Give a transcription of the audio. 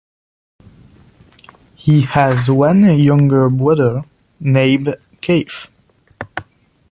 He has one younger brother, named Keith.